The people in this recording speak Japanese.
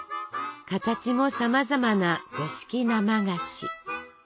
形もさまざまな五色生菓子！